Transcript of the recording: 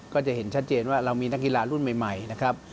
ก็จะเห็นชัดเจนว่าเรามีนักกีฬารุ่นใหม่นะครับ